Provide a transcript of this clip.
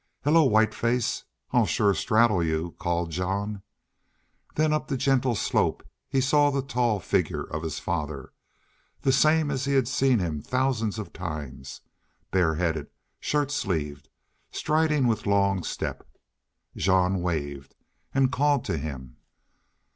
"Hello, Whiteface! I'll sure straddle you," called Jean. Then up the gentle slope he saw the tall figure of his father the same as he had seen him thousands of times, bareheaded, shirt sleeved, striding with long step. Jean waved and called to him.